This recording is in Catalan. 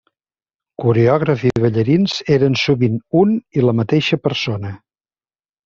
Coreògrafs i ballarins eren sovint un i la mateixa persona.